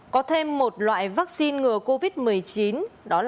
có thêm một loại vaccine ngừa covid một mươi chín đó là vaccine moderna